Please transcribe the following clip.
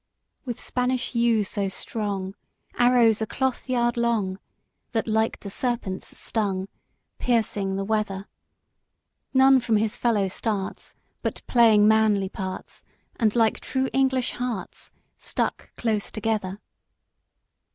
VI. With Spanish yew so strong, Arrows a cloth yard long That like to serpents stung, Piercing the weather; None from his fellow starts, But playing manly parts, And like true English hearts, Stuck close together.